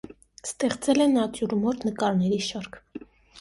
Ստեղծել է նատյուրմորտ նկարների շարք։